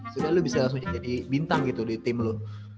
sudah lu bisa langsung jadi bintang gitu di tim lo